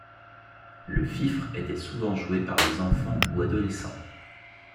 Le fifre était souvent joué par des enfants ou adolescents.